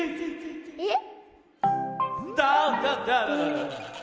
えっ？